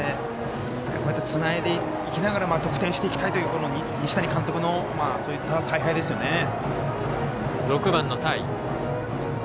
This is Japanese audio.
こうやって、つないでいきながら得点していきたいという西谷監督のそういった采配ですよね。